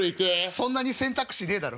そんなに選択肢ねえだろ。